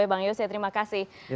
bang yose terima kasih